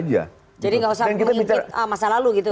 jadi gak usah mengingat masa lalu gitu